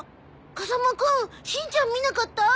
風間くんしんちゃん見なかった？